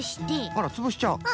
あらつぶしちゃう？